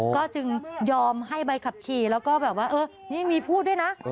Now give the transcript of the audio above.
ก็จึงยอมให้ใบขับขี่แล้วก็แบบว่าเออนี่มีพูดด้วยนะ